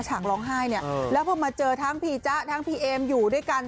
ฉางร้องไห้เนี่ยแล้วพอมาเจอทั้งพี่จ๊ะทั้งพี่เอมอยู่ด้วยกัน